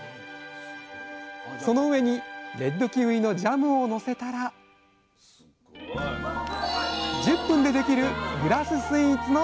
その上にレッドキウイのジャムをのせたら１０分でできるグラススイーツの完成です